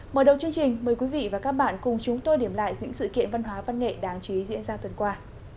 mở đầu chương trình mời quý vị và các bạn cùng chúng tôi điểm lại những sự kiện văn hóa văn nghệ đáng chú ý diễn ra tuần qua